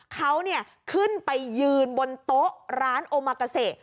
เขาขึ้นไปยืนบนโต๊ะร้านโอมากาเซ